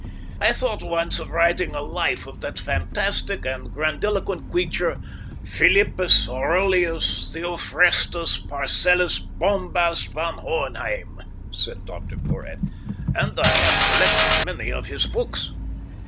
"I thought once of writing a life of that fantastic and grandiloquent creature, Philippus Aureolus Theophrastus Paracelsus Bombast von Hohenheim," said Dr Porhoët, "and I have collected many of his books."